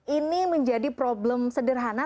ini menjadi problem sederhana